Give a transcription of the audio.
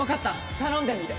頼んでみる。